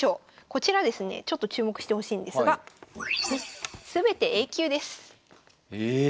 こちらですねちょっと注目してほしいんですがすべてＡ級です。え！